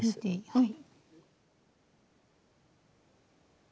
はい。